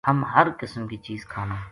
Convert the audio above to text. ہم ہر قسم کی چیز کھاواں